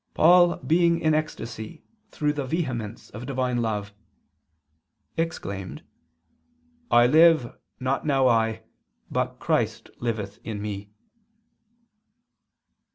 iv) that "Paul being in ecstasy through the vehemence of Divine love" exclaimed: "I live, now not I, but Christ liveth in me."